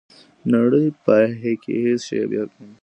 په نړۍ کي هیڅ شی بې حکمه نه وي.